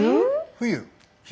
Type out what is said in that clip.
冬。